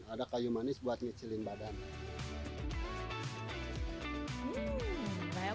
ada kayu manis buat minuman ini ya buat batuk buat angin kalau ada kap kulaga tuh buat bau badan